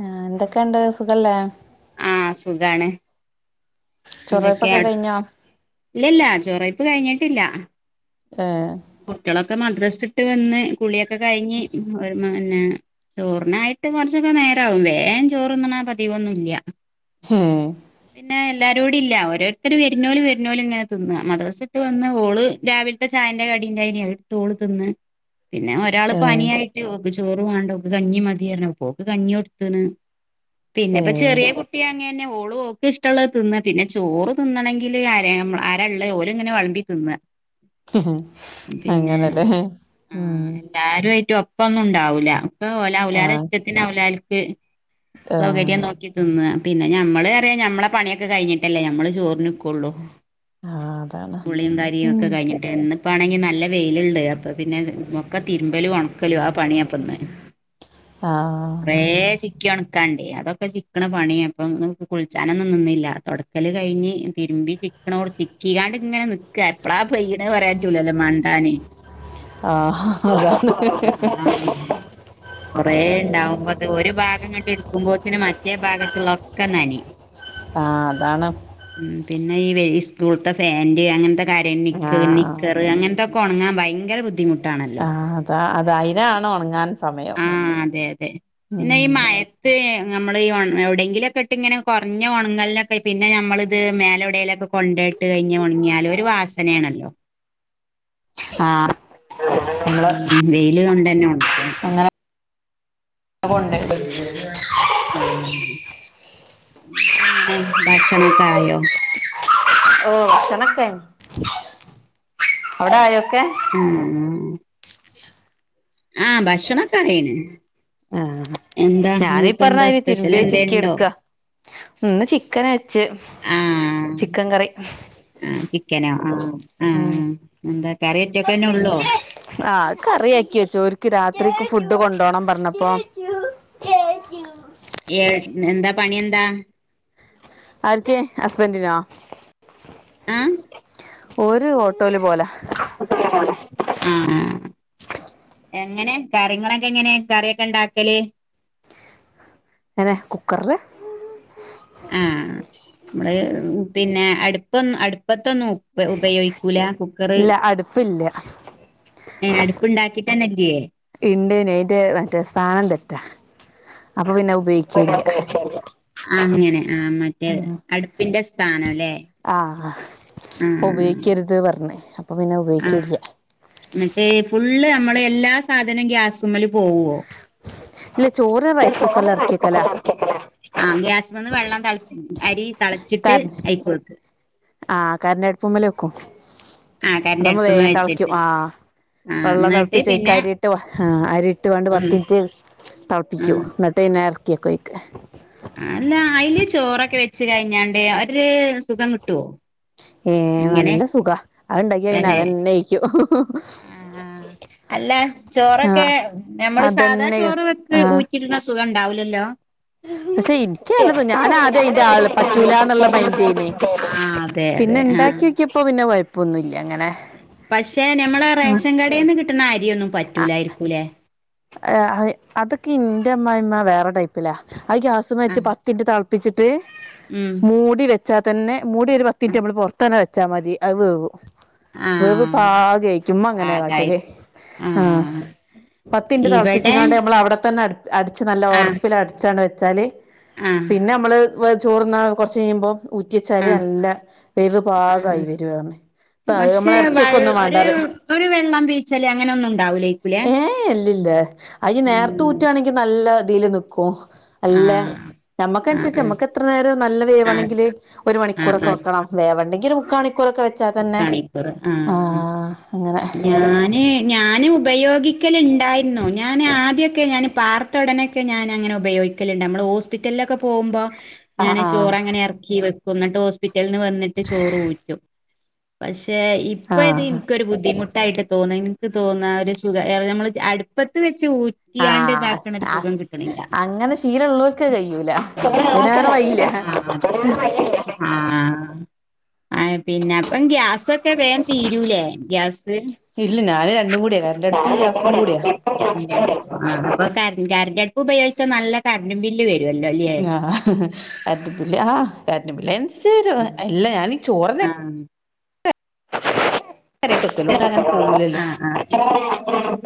ആ എന്തൊക്കെണ്ട് സുഖല്ലേ? ആ സുഖാണ്. എന്തൊക്കെയാ ചൊറൈപ്പൊക്കെ കയിഞ്ഞോ? ഇല്ലല്ല ചൊറയിപ്പ് കഴിഞ്ഞിട്ടില്ല. ഏഹ്. കുട്ടിളൊക്കെ മദ്രസ് ഇട്ട് വന്ന് കുളിക്കെ കയ്ഞ് ഒരു പിന്നെ ചോറിനായിട്ട് കൊറച്ചൊക്കെ നേരാവും വേ ചോറന്ന്ണ പതിവൊന്നുംല്ല്യ. ഹെ പിന്നെ എല്ലാരൂടി ല്ല ഓരോര്ത്തര് വേര്ന്നോല് വെര്ന്നോല് ഇങ്ങനെ തിന്ന മദ്റസ്ട്ട് വന്ന ഓള് രാവിൽത്തെ ചായന്റെ കടീന്റെ ഏയ്നി അതെട്തോള് തിന്ന് പിന്നെ ഒരാള് പനിയായി് ഓക്ക് ചോറ് വാണ്ട ഓക് കഞ്ഞി മതിർണ് പ്പോക്ക് കഞ്ഞി ട്ത്ത്ണ്. പിന്നെ ഏ ഇപ്പ ചെറിയ ഏ കുട്ടിയ അങ്ങെ ന്നെ ഓളോ ക്ക് ഇഷ്ടള്ള തിന്ന പിന്നെ ചോറ് തിണെങ്കില് ആരള്ള ഓര് ങ്ങനെ വളമ്പി തിന്ന. ഹ് ഹ് അങ്ങനെ ലെ ഉം ല്ലാരൂആയിറ്റ് ഒപ്പൊന്നും ണ്ടാവൂല ആ ഔലാല ഇഷ്ടത്തിന് ഔലാൽക്ക് ആ സൗകര്യം നോ തിന്ന പിന്നെ ഞമ്മള് അറിയ ഞമ്മളെ പണിഒക്കെ കഴിഞ്ഞിട്ടല്ലേ ഞമ്മള് ചോർണ്ക്കുള്ളു. ആ അതാണ് കുളീം കാര്യം ഉം ഒക്കെ കഴിഞ്ഞിട്ട്ന്ന് പ്പ ആണെങ്കി നല്ല വെയില്ണ്ട് അപ്പ പിന്നെ ഒക്കെ തിരുമ്പലും ഒണക്കലു അ ആ പണി അപ്പന്ന്. ആ കുറെ ചി ച്ചിക്കി ഒണക്കാണ്ട് അതൊക്കെ ചിക്ക്ണ പണിയാപ്പൊ കുളിച്ചാനൊന്നും നിന്നില്ല തൊടക്കല് കയിഞ്ഞ് തിര്മ്പി ചി ക്ഓട് ചിക്കിആണ്ട് ഇങ്ങനെ നിക്ക എപ്പളാ പെയണെ പറയാറ്റൂല്ലല്ലോ മണ്ടാന്. ആഹ് അതാണ് കുറേ ഉണ്ടാവുമ്പോ അ ഒരു ഭാഗം കണ്ട എടുക്കുമ്പോത്തിനന് മറ്റേ ഭാഗത്തുള്ളൊക്കെ നനി ആഹ് അതാണ് ഉം പിന്നെ ഈ ഈ സ്കൂളത്തെ ഫാന്റ് അങ്ങനത്തെ കാര്യം ആ നിക്ക് നി അങ്ങനത്തെൊക്കെ ഉണങ്ങാൻ ഭയങ്കര ബുദ്ധിമുട്ടാണല്ലോ അത അത അയിനാണ് ഉണങ്ങാൻ സമയം ആഹ് ഉം നമ്മൾ ഈ എവിടെയെങ്കിലുംക്കെ ഇട്ട് ഇങ്ങനെ കുറഞ്ഞ ഉണങ്ങളിലൊക്കെ പിന്നെ നമ്മളിത് മേലെടയിലൊക്കെ കൊണ്ടേട്ട് കഴിഞ് മുണങ്ങിയാല ഒരു വാസനയാണല്ലോ ആ നമ്മള് വെയില കൊണ്ട് തന്നെ ഉണ് [unintelligible] ആഹ് എങ്ങനെ ഭക്ഷണൊക്കെ ആയോ ഓ നക്കായ അവിട ആയൊക്കെ ആ ആഹ് ഭക്ഷണകായ്ണ് ആ ഞാനീ പറഞ്ഞ എന്താ അതിന് സ്പെഷ്യൽ തിരുമ്പേ എന്തേ ചിക്കി ഉണ്ടോ എടുക്കാ ഇന്ന് ചിക്കൻ അച്ച് ചിക്കൻ കറി ആ ചിക്കനോ ആ ആ ഉം എന്താ കറിയറ്റൊക്കെന്നെ ഉള്ളോ ആഹ് കറിയാക്കി വെച്ചോ ഒക്ക് രാത്രിക്ക് ഫുഡ് കൊണ്ടപോണം പറഞ്ഞപ്പോ ഏ എന്താ പണിന്താ ആർക്കെ ഹസ്ബന്റി നാ ആഹ് ഒരു ഓട്ടോയില് പോല ആഹ് എങ്ങനെ കര്യങ്ങളൊക്കെ എങ്ങനെ കറിയൊക്കെ ഇണ്ടാക്കല് അതെ കുക്കറില് ആഹ് പിന്നെ അടുപ്പൊന്നും അടുപ്പത്തൊന്നും ഉ ഉപയോഗിക്കൂല കുക്കറ് ഇല്ല അടുപ്പില്ല ഏ അടുപ്പുണ്ടാക്കിട്ട തന്നെല്ലയേ ഇണ്ട്ന് അയിന്റെ മറ്റേ സ്ഥാനം തെറ്റാ അപ്പൊ പിന്നെ ഉപയോഗിക്കെല്ല അങ്ങനെ ആ മറ്റേ അടുപ്പിന്റെ സ്ഥാനല്ലേ ആഹ് ആഹ് അപ്പ ഉപയോഗിക്കരുത് പറഞ്ഞ് അപ്പം പിന്നെ ആഹ് ഉപയോഗിക്കില്ല എന്നിട്ട് ഫുള്ള് നമ്മള് എല്ലാ സാധനവും ഗ്യാസ് [unintelligible] പോവോ [unintelligible] ഇല്ല ചോറ് റൈസ് കുക്കറിൽ എറക്കി വെക്കലാ ആഹ് ഗ്യാസി വന്ന് വെള്ളം തെള അരി തളച്ചിട്ട് കര അയിപ്പ വെക്ക് ആഹ് കരണം അടുപ്പുമ്മേലെ വെക്കും ആ അതാമ്പം കരണ്ടടുപ്പ്മ്മെ വേഗം തെളയ്ക്കും വെച്ചിട്ട് ആഹ് ആ വെള്ളം എന്നിട്ട് തെളപ്പിച്ച്ക്ക പിന്നെ അരിയിട്ട് ആ അരിയിട്ട് വണ്ട് ഉം പത്തിറ്റ് തെളപ്പിക്കൂ എ പിന്നെ എർക്കി വെക്കുവായിക്കും അല്ല അയില് ചോറൊക്കെ വെച്ച് കയിഞ്ഞാണ്ട് ഒര് സുഖം കിട്ടുവോ ഏയ് എങ്ങനെ നല്ല സുഖ അത് ഇണ്ടാക്കി കഴിഞ്ഞാ തന്നെ അതന്നെയിക്കൂ ആഹ് അല്ല ചോറൊക്കെ ഞമ്മള് സാധാ അതന്നെ ചോറ് വെ ആഹ് ഊറ്റിടുന്ന സുഖ ഒണ്ടാവൂലല്ലോ പക്ഷെ എനിക്ക് [unintelligible] അങ്ങനത് ഞാൻ ആദ്യം അതിന്റെ ആള് പറ്റൂല എന്നുള്ള ആഹ് തെ അതെ ആഹ് ബാക്കി വോക്കിയപ്പോൾ പിന്നെ കൊയപ്പൊന്നുല്ല അങ്ങനെ പക്ഷെ ഞമ്മളെ റേഷൻ കടെന്ന് കിട്ടണ അരിയോന്നും പറ്റൂലായിരിക്കൂലേ അതൊക്കെ എന്റെ അമ്മായിമ്മ വേറെ ടൈപ്പിലാ ആ ഗ്യാസ് മേച്ച് പത്തിന്റെ താ പിച്ചിട്ട് ഉം മൂടി വെച്ചാ തന്നെ മൂടി ഒര് പത്തി മിനിറ്റ് ഞമ്മള് പൊറത്തന്നെ വെച്ചാ മതി അത് വെവും വേവ് ആഹ് പാ [unintelligible] ചുമ്മാ അങ്ങനെയാ കാട്ടല് പാകായിരിക്കും ആഹ് ത്തിന്റെ ഇവിടെ തെളപ്പിച്ചിങ്ങാണ്ട് ഞമ്മള് അവടെ തന്നെ അട് അടിച്ച് നല്ല ആഹ് ഉറപ്പില് അടിച്ചാണ് വെച്ചാല് ആഹ് പിന്നെ ഞമ്മള് ചോറ്ന്ന കൊറച്ച് കയിമ്പോ ഊറ്റി വെച്ചാല് ആഹ് നല്ല വെവ് ആഹ് പാകായി വെരു [unintelligible] പക്ഷെ വെ ഒരു ഒരു വെള്ളം പീച്ചല് അങ്ങനെ ഒന്നും ഉണ്ടാവൂലേക്കൂലേ ഏയ് ഇല്ലല്ല അയിനേരത്ത ആഹ് ഊറ്റു ആണെങ്കി നല്ല ഇതില് നിക്കും അല്ല ആഹ് നമ്മക്കനുസരിച്ച് ആഹ് ഞമ്മക്ക് എത്ര നേരം നല്ല ആഹ് വേവാണെങ്കില് ഒരു ആഹ് മണിക്കൂറൊക്കെ വെക്കണം വേവണ്ടെങ്കി ഒര് മുക്കാമണിക്കൂറൊക്കെ വെ ണിക്കൂർ ആഹ് അങ്ങനെ ഞാന് ഞാന് ഉപയോഗിക്കലിണ്ടായിരുന്നു ഞാന് ആദ്യാക്കെ ഞാൻ പാർത്ത ഉടനൊക്കെ ഞാനങ്ങനെ ഉപയോഗി ക്കലിണ്ട് ഞമ്മള് ഹോസ്പിറ്റലിലൊക്ക പോമ്പം ആഹ് ഞാന് ആഹ് ചോറ് അങ്ങനെ എറക്കി വെക്കും എന്നിട്ട് ഹോസ്പിറ്റൽന്ന് വന്നിട്ട് ചോറ് ഊറ്റും പക്ഷെ ഇപ്പൊ ഇത് ആഹ് എനിക്കൊരു ബുദ്ധിമു ട്ടാ. യിട്ട് തോന്ന് എന്ക്ക് തോന്ന ഒര് സുഖ ഏ നമ്മള് അടുപ്പത്ത് വെച്ച് ഊ ആഹ് അത് അ അങ്ങനെ ശീലോള്ളോർക്ക് അത് കയിയൂല നമ്മുക്ക് പിന്നെ വേറെ വയില്ല ഹ് ആഹ് ആ പിന്നെ അപ്പം ഗ്യാസൊക്കെ വേഗം തീരൂലേ ഗ്യാസ് [inaudible] ഇല്ല ഞാന് രണ്ടും കൂടിയാ ആ കരണ്ടടുപ്പും ഗ്യാസും കൂടിയാ അപ്പൊ കറണ്ട് അടുപ്പ് ഉപയോഗിച്ചാ നല്ല കറണ്ടും ബില്ല് വെരുവല്ലോ അല്യോ ആഹ് കറൻ്റും ബില്ല് ആ കറൻ്റും ബില്ല [unintelligible] വെരും അല്ല ഞാനീ ചോറെന്നെ ആഹ് കാര്യായിട്ട് വെക്കല് അങ്ങനെ പോവൂലല്ലോ ആഹ് ആഹ്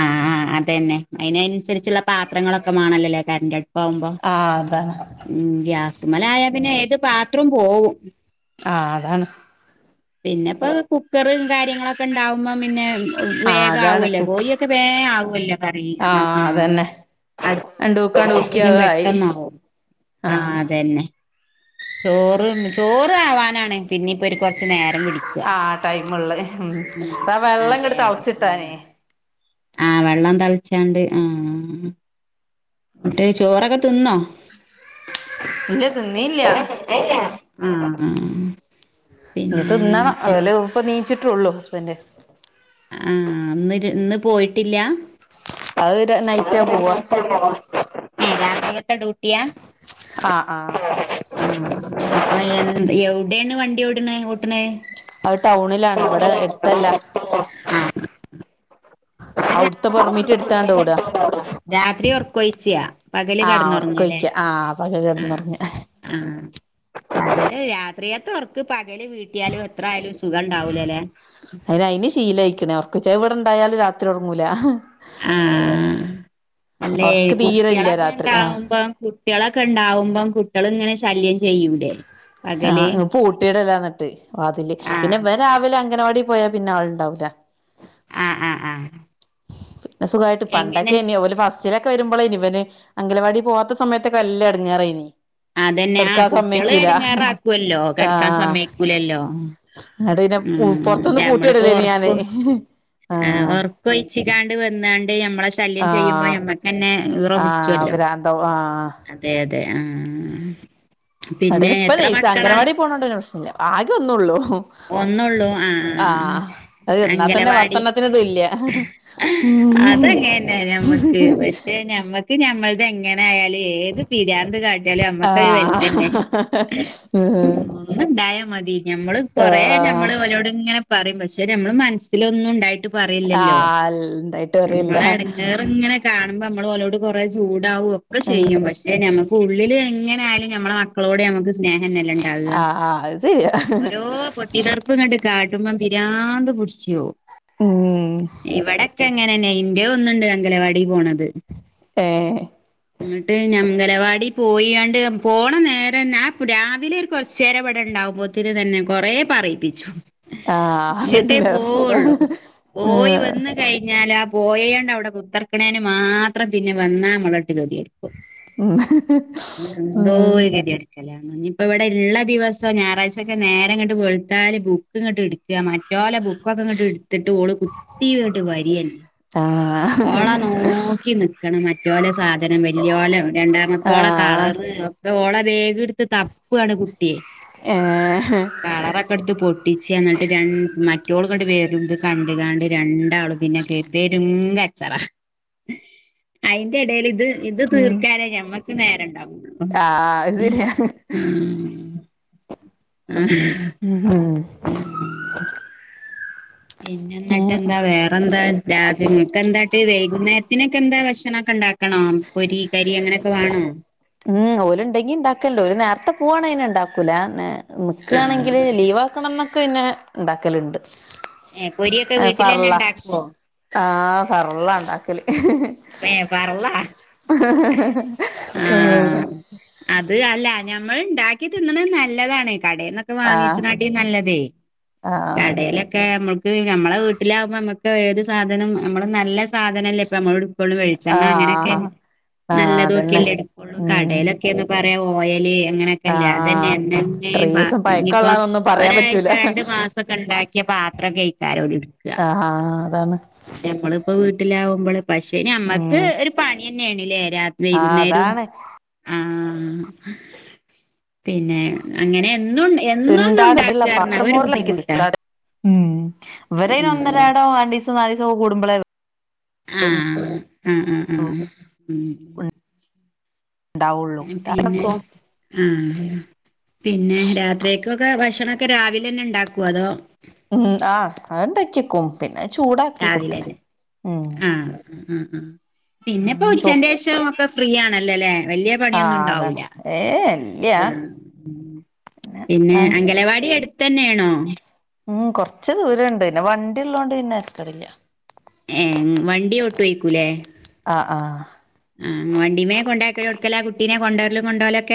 ആഹ് ആഹ് അതന്നെ അയിനൻസര് ച്ച്ള്ള പാത്രങ്ങളൊക്കെ മാണല്ലല്ലേ കര്ൻ്റ് അട്പ്പാവുമ്പോ? ആഹ് അതാണ് ഉം ഗ്യാസ്മ്മലാ ആയാ പിന്നെ ഏത് പാത്രം പോവും. ആഹ് അതാണ് പിന്നെപ്പ കുക്കറ് കാര്യങ്ങളൊക്കെ ണ്ടാവുമ്പ പിന്നെ ആഹ് വേഗ അതാണ് ആവൊല്ലോ കുക്ക് കോഴിയൊക്കെ വേ ആവുല്ലോ കറിക്ക് ആഹ് രണ്ടുക്ക് ആണ്ട് ഊക്കിയ അഹായി പെട്ടെന്നാവും ആ ആഹ് അതന്നെ ചോറും ചോറ് ആവാനാണ് പിന്നിപ്പ ഒരു കൊർച്ച് നേരം പിടി ആ ടൈം ള്ള് ഉം ആഹ് വെള്ളം അതെ ഇങ്ങട്ട് അതെ തള്ച്ചിട്ടാനേ. ആഹ് ആഹ് വെള്ളം തൾച്ചാണ്ട് ആഹ് ങ്ങട്ട് ചോറൊക്കെ തിന്നോ? ഇല്ല തിന്നില്ല്യ. ഉം ഞ്ഞി തിന്നണം അവല് ഇപ്പ നീച്ച്ട്ടൊള്ളൂ ഹസ്ബൻഡ്. ആഹ് ന്ന് ഇന്ന് പോയിട്ടില്ല? അഹ് നൈറ്റാ പോവാ. രാത്രികത്തെ ഡ്യൂട്ടിയാ? ആഹ് ആഹ് എഒടെണ് വണ്ടി ഓട്ണേ ഓട്ട്ണേ? അത് ടൗണിലാണ് ഇവടെ എട്ത്തല്ല. അഒട്ത്ത പെർമിറ്റ് എട്ത്താണ്ട് ഓടാ രാത്രി ഒർക്കൊഴിച്ച്യ പകല് ആഹ് കടന്നൊറങ്ങല്ലേ ഓർക്കോയ്ക്ക ആഹ് പകൽ കെട്ന്നൊർങ്ങ ആ രാത്രിക്കത്തെ ഒർക്ക് പകല് വീ ട്ടിയാലും എത്ര ആയാലും സുഖംണ്ടാവൂല ല്ലേ? [unintelligible] അയിന് ശീലഴിക്ണ് ഒർക്കൊയിച്ച് അത് ഇവിടെണ്ടായാലും രാത്രി ഒറങ്ങൂല. ആഹ് അല്ലേ ഒർക്ക് തീരെ ഇല്ല കുട്ട്യളക്കെ രാത്രി ആഹ് ഇണ്ടാവുമ്പം കു ട്ട്യളക്കെ ണ്ടാവുമ്പം കുട്ട്യള് ഇങ്ങനെ ശല്യം ചെയ്യൂലെ? ആഹ് പൂട്ടിടലാ ന്ന്ട്ട് വാതില് പിന്നെ ആഹ് ഇവൻ രാവിലെ അംഗനവാടി പോയാ പിന്നെ ആള്ണ്ടാവൂല. ആഹ് ആഹ് ആഹ് അസുഖായിട്ട് എങ്ങനെ പണ്ടൊക്കെ നി ഓല് ബസ് ച്ചലക്കെ വരുമ്പളേനി ഇവന് അംഗലവാടി പോവാത്ത സമയത്തൊക്കെ നല്ല എടങ്ങേറേനി. അതന്നെ ആഹ് കെടക്കാൻ കുട്ട്യള് സമ്മയ്ക്കൂല എടങ്ങാറ ആക്കല്ലോ കെട്ക്കാൻ ആഹ് സമ്മയ്ക്കൂലല്ലോ. എന്നിട്ട് പിന്നെ ആഹ് പൊറത്തൊന്ന് ഞമ്മള്പ്പോ പൂട്ടിയിടലേനി ഞാന് ഒർക്കു ആഹ് ഒർ കൊഴിച്ചിക്കാണ്ട് വന്നാണ്ട് നമ്മളെ ഇഷ് ശല്യം ചെയ്യുമ്പോ ആഹ് ഞമ്മക്കെന്നെ ഈറ ആഹ് പുട്ച്ചൊല്ലോ. ഭ്രാന്താവും ആഹ് അതെ അതെ ആഹ് പിന്നെ എന്നിട്ട് ഇപ്പ എത്ര നൈസാ മക്കളാ? [unintelligible] പ്രശ്നല്ല ആകെ ഒന്നള്ളൂ. ഒന്നള്ളൂ ആഹ് അത് എന്നാ തന്നെ അംഗലവാടി പത്തെണ്ണത്തിന് തുല്യ അതങ്ങന്നെ ഞമ്മക്ക് പക്ഷെ ഞമ്മ ഞമ്മള്ത് എങ്ങനെ ആയാലും ഏത് പിരാന്ത് കാട്ടിയാലും നമ്മക്കഹ് ആഹ് വെൽതന്നെ. ഉം ഒന്ന് ണ്ടായാ മതി ഞമ്മള് കൊറെ ആഹ് ഞമ്മള് ഓലോട് ഇങ്ങനെ പറിം പക്ഷെ ഞമ്മള് മൻസ്സിലൊന്നും ണ്ടായിട്ട് പറില്ലല്ലോ ആഹ് ഇണ്ടായിട്ട് കാര്യല്ല ഞമ്മളെ എടങ്ങേറ് ഇങ്ങനെ കാണ്മ്പ നമ്മൾ ഓലോട് കൊറെ ചൂടാവും ഒക്കെ ഉം ചെയ്യും പക്ഷെ ഞമ്മ ഉള്ള്ൽ എങ്ങനെയാലും ഞമ്മള മക്കളോട് നമുക്ക് ആഹ് ആഹ് അഹ് സരിയാ. ഓഹ് പൊട്ടി തർപ്പ് ങ്ങട്ട് കാട്ടുമ്പം പിരാന്ത് പുട്ച്ചോ? ഉം ഇവിടൊക്കെ അങ്ങനെന്നെ ഇന്റെ ഒന്നുണ്ട് അങ്കലവാടി പോണത്. ഏ ഇങ്ങോട്ട് ഞംഗലവാടി പോയിണ്ട് പോണ നേരന്നെ രാവിലെ കുറച്ച് കൊറച്ചേരം ഉണ്ടാവുമ്പോത്തിന് തന്നെ കൊറ പറയിപ്പിച്ചും ആഹ് ഇങ്ങട്ടേ അതന്നെ അവസ്ഥ പോവുള്ളു പോയി ആഹ് വന്ന് കഴിഞ്ഞാൽ ആ പോയണ്ട് അവിടെ കുത്തർക്കണേന് മാത്രം പിന്നെ വന്നാ മളട്ട് കെതിടുക്കും. ഉം ഉം എന്തോരു കേതെട് ഇഞ ഇപ്പ ഇവിടെള്ള ദിവസം ഞായറാഴ്ചൊക്കെ നേ ങ്ങട്ട് വെള്ത്താല് ബുക്ക് ഇങ്ങോട്ട് എടുക്കുക മറ്റോലെ ബുക്കെക്കെ ഇങ്ങോട്ട് എടുത്തിട്ട് ഓള് കുതീങ്ങട്ട് വരിയന്നെ ആ ഓളെ നോക്കി നിക്കണം മറ്റോല സാധനം വലിയോള രണ്ടാമത്തോളം ആഹ് കളറ് ഓള ബാഗ് എടുത്ത് തപ്പാണ് കുട്ടിയെ ഏ ഹെ കളറൊക്കെ എടുത്ത് പൊട്ടിച്ച എന്നിട്ട് രണ്ട് മറ്റുള് കണ്ട് വേരുമ്പോ ഇത് കണ്ട്ക്കാണ്ട് രണ്ടാളും പിന്നെ കേറി പെരും കച്ചറ അയിന്റെ ഇടയിൽ ഇത് ഇത് ഉം തീർക്കാനേ ഞമ്മക്ക് നേരം ഉണ്ടാവുള്ളൂ. ആഹ് അത് ശരിയാ ആഹ ഉ ആഹ ആ പിന്നെ എന്നിട്ട് അങ്ങനെ എന്താ വേറെ എന്താ രാത്രികക്ക്ന്താ വൈകുന്നേരത്തിനൊക്കെ എന്താ ഭക്ഷണക്കെ ഉണ്ടാകണ്ടേ പൊരി കരി അങ്ങനെയൊക്കെ വേണോ ഉം ഓല ഉണ്ടെങ്കി ഉണ്ടാക്കല്ലോ ഒരു നേരത്തെ പോവാണങ്കി ഇണ്ടാക്കൂല. നിക്കയാണെങ്കിൽ ആഹ് ലീവാക്കണം അന്നൊക്കെ പിന്നെ ഉണ്ടാക്കലുണ്ട്. ഏ പൊരിയൊക്കെ വീട്ടിൽ തന്നെ ഉണ്ടാക്കുവോ. ആ ഫർള്ളാ ഉണ്ടാക്കല്. ഏ ഫർള്ളാ ഹ ഹ ഹ അ അത് അല്ല ഞമ്മൾ ഉണ്ടാക്കി തിന്നണ നല്ലതാണ കട വാങ്ങിച്ച ആഹ് നാട്ട നല്ലതേ ആഹ് കടലൊക്കെ ഒക്കെ നമ്മുക്ക് നമ്മളെ വീട്ടിലാാവുമ്പോ നമ്മുക്ക് ഏത് സാധനം നമ്മള് നല്ല സാധനല്ലേ ഇപ്പ നമ്മള വെളിച്ചെണ്ണ അങ്ങനൊക്കെ ആഹ് ആഹ് അതന്നെ നല്ലതോക്കിയല്ല ഇട് കൊള്ളൂ ഉം കടയിലൊക്കെ പഴയാ ഓയല് അങ്ങനെ അതന്നെ ആഹ് ഇത്രീസം എന്നന്നപ്പോ പഴക്കള്ളതൊന്നും പറയാൻ ഒരാഴ്ച പറ്റൂല രണ്ട് മാസൊക്കെ ഉണ്ടാക്കിയ പാത്രം കഴ ടുക്ക ആഹ് അതാണ് നമ്മളിപ്പോ വീട്ടിലാവുമ്പോ പ നമ്മക്ക് ഉം ഒരു പണി തന്നെയണല്ലേ രാത് ആഹ് വൈകുന്നേരം അതാണ് ആ പിന്നെ അങ്ങനെ എന്നും എന്നന്നും ഇണ്ടാക്കല്ല ഉണ്ടാക്കരഞ്ഞ പാത്രം ഒരു മോറലാ എനിക്ക് ബുദ്ധിമുട്ടാ ഇഷ്ടാ. ഉം ഇവരന ഉം ഒന്നരടോ ആണ്ട ദിവസോ നാല ദിവസോ കൂടുമ്പോള ആഹ ആഹ ആ ഉ പിന്നെ ഇണ്ടാവുള്ളൂ ആഹ പിന്നെ രാത്രിക്കൊക്കെ ഭക്ഷണംക്കെ രാവിലെ തന്നെ ഉണ്ടാക്കൂ അതോ ഉം ആഹ് അത്ണ്ടക്കക്കും പിന്നെ ചൂടാക്കി കൊടുക്കലേ ഉ ഉം ഉം പിന്നെപ്പോ ചോ ഉച്ചന്റെ ശേഷം ഒക്കെ ഫ്രീ ആണല്ലേല്ലെ വലിയ പണിയൊന്നും ആഹ് അതാണ് ഉണ്ടാവൂല ഏഹ് ഇല്ല പിന്നെ ആഹ് അംഗലവാടി അടുത്ത് തന്നെയാണോ ഉം കൊറച്ച് ദൂരം ഉണ്ട് പിന്നെ വണ്ടി ഉള്ളോണ്ട് പിന്നെ തെരെകെടില്ല ഏ വണ്ടി ഒട്ടേക്കൂലേ ആ ആ ആഹ് വണ്ടീമേ കൊണ്ടൊക്കികൊടുക്കല കുട്ടിനെ കൊണ്ടുവരലും കൊണ്ടാവലും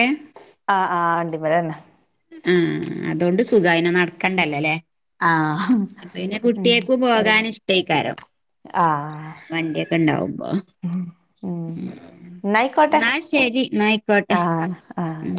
ആഹ് ആ് വണ്ടി മ്മലന്നെ ആഹ അതുകൊണ്ട് സുഖമായിന നടക്കണ്ടല്ലല്ലേ ആഹ് അപ്പൊ പിന്നെ കുട്ടിയക്കും പോകൻ ഇഷ്ടേക്കാരം ആഹ വണ്ടിയൊക്കെ ഉണ്ടാവുമ്പോ ഉം ന്നായിക്കോട്ടെ ന്നാ ശരി ന്നാ ആയിക്കോട്ടെ ആഹ ആഹ ഉം